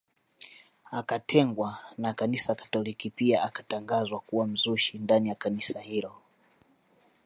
Akatengwa na kanisa katoliki pia akatangazwa kuwa mzushi ndani ya kanisa hilo